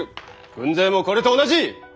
軍勢もこれと同じ！